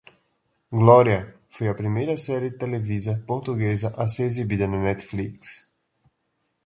"Glória" foi a primeira série televisiva portuguesa a ser exibida na Netflix.